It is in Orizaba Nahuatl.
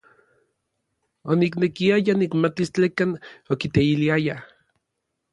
Oniknekiaya nikmatis tlekan okiteiliayaj.